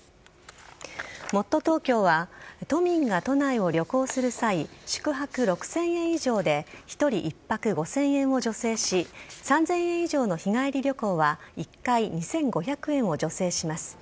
もっとＴｏｋｙｏは都民が都内を旅行する際宿泊６０００円以上で１人一泊５０００円を助成し３０００円以上の日帰り旅行は１回２５００円を助成します。